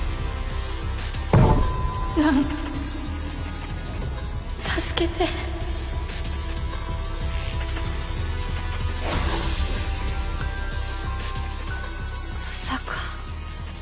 蘭助けてまさか。